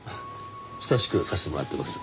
親しくさせてもらってます。